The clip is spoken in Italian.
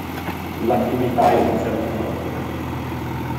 L'attività inizia al tramonto.